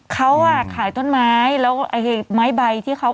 เขาอ่ะขายต้นไม้แล้วไอ้ไม้ใบที่เขา